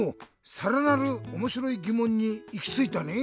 さらなるおもしろいぎもんにいきついたね。